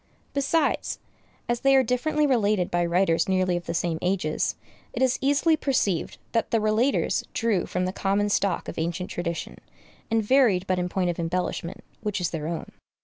Besides, as they are differently related by writers nearly of the same ages, it is easily perceived that the relators drew from the common stock of ancient tradition, and varied but in point of embellishment, which is their own.